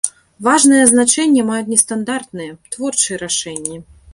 Важнае значэнне маюць нестандартныя, творчыя рашэнні.